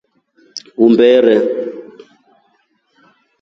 Umberee.